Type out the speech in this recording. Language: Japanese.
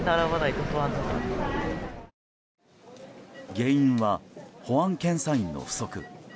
原因は保安検査員の不足。